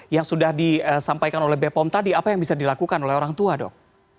yang sudah disampaikan oleh bepom tadi apa yang bisa dilakukan oleh orang tua dok